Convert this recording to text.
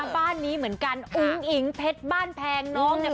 บ้านนี้เหมือนกันอุ้งอิ๋งเพชรบ้านแพงน้องเนี่ย